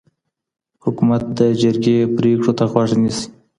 حکومت د جرګي پرېکړو ته غوږ نيسي.